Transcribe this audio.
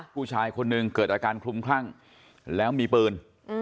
ผู้ชายคนหนึ่งเกิดอาการคลุมคลั่งแล้วมีปืน